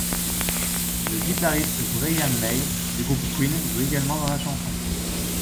Le guitariste Brian May, du groupe Queen, joue également dans la chanson.